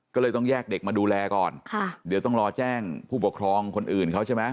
ก็เลยต้องแยกเด็กมาดูแลก่อนค่ะเดี๋ยวต้องรอแจ้งผู้ปกครองคนอื่นเขาใช่ไหม